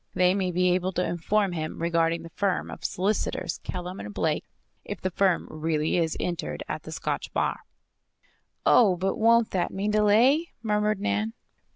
They may be able to inform him regarding the firm of solicitors, Kellam & Blake, if the firm really is entered at the Scotch bar." "Oh! But won't that mean delay?" murmured Nan.